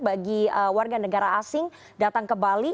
bagi warga negara asing datang ke bali